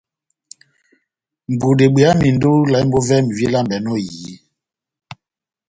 Budi ebweyamindi ó ilambo vɛ́mi vílambɛnɔ ó ehiyi.